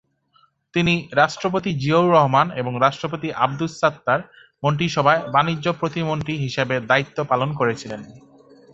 তিনি রাষ্ট্রপতি জিয়াউর রহমান এবং রাষ্ট্রপতি আবদুস সাত্তার মন্ত্রিসভায় বাণিজ্য প্রতিমন্ত্রী হিসাবে দায়িত্ব পালন করেছিলেন।